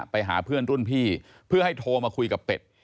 ไปหาเพื่อนรุ่นพี่เพื่อให้โทรมาคุยกับเป็ด